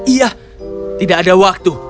iya tidak ada waktu